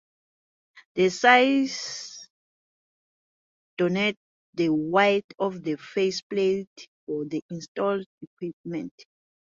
The size denotes the width of the faceplate for the installed equipment.